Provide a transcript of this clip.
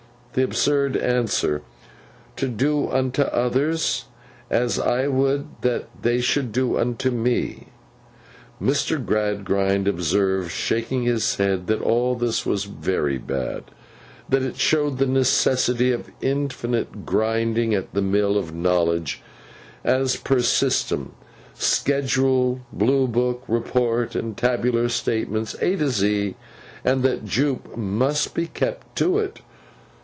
the absurd answer, 'To do unto others as I would that they should do unto me.' Mr. Gradgrind observed, shaking his head, that all this was very bad; that it showed the necessity of infinite grinding at the mill of knowledge, as per system, schedule, blue book, report, and tabular statements A to Z; and that Jupe 'must be kept to it.